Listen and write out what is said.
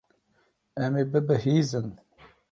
Em ê bibihîzin.